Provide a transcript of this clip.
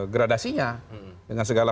gradasinya dengan segala